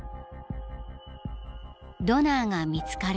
［ドナーが見つかるか？